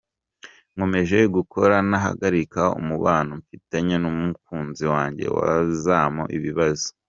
Nkomeje gukora ntahagarika, umubano mfitanye n’umukunzi wanjye wazamo ibibazo.